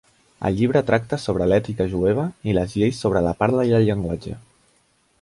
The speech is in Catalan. El llibre tracta sobre l'ètica jueva i les lleis sobre la parla i el llenguatge.